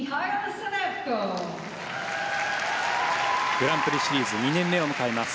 グランプリシリーズ２年目を迎えます